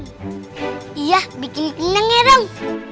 iya bikin bikin aja ngerang